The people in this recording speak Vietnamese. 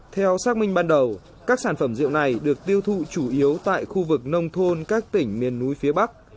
theo xác minh ban đầu các sản phẩm rượu này được tiêu thụ chủ yếu tại khu vực nông thôn các tỉnh miền núi phía bắc